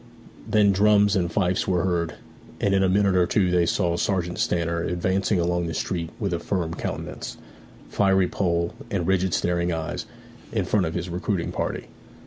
Then drums and fifes were heard, and in a minute or two they saw Sergeant Stanner advancing along the street with a firm countenance, fiery poll, and rigid staring eyes, in front of his recruiting party.